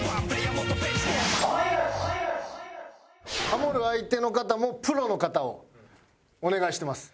ハモる相手の方もプロの方をお願いしてます。